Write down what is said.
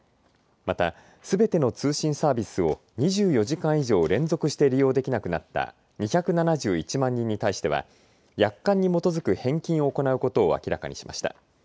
またすべての通信サービスを２４時間以上、連続して利用できなくなった２７１万人に対しては約款に基づく返金を行うことを明らかにしました。